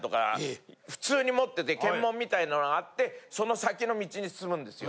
検問みたいなのがあってその先の道に進むんですよ。